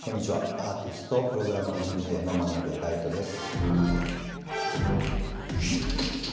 アーティストプログラマーＤＪの真鍋大度です。